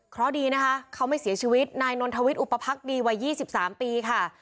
เพราะดีนะคะเขาไม่เสียชีวิตนายนนทวิตอุปภักดีวัย๒๓ปีค่ะ